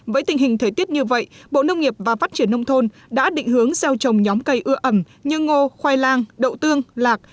với tình hình thời tiết như vậy bộ nông nghiệp và phát triển nông thôn đã định hướng gieo trồng nhóm cây ưa ẩm như ngô khoai lang đậu tương lạc